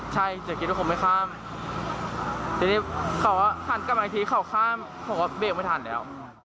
จะคิดว่าผมไม่ข้ามทีนี้เขากำลังทีเขาข้ามผมก็เบรกไม่ทันแล้ว